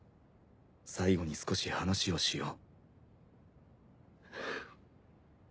最後に少し話をしよう。